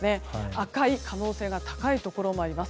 赤い、可能性が高いところもあります。